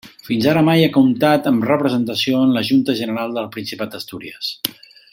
Fins ara mai ha comptat amb representació en la Junta General del Principat d'Astúries.